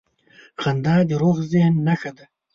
• خندا د روغ ذهن نښه ده.